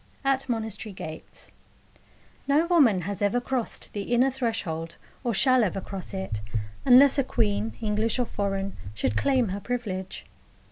AT MONASTERY GATES No woman has ever crossed the inner threshold, or shall ever cross it, unless a queen, English or foreign, should claim her privilege.